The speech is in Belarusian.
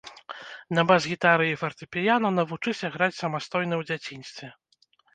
На бас-гітары і фартэпіяна навучыся граць самастойна ў дзяцінстве.